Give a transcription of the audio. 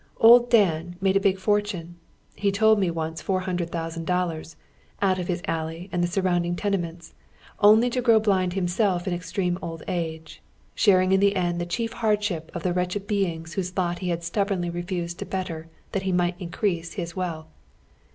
" Old Dan " made a big fortune — he told me once four hundred thousand dollars — out of his alley and the surrounding tenements, only to grow blind himself in extreme old age, sharing in the end the chief hardship of the wretched beings whose lot he had stubbornly refused to better that he might increase his wealth.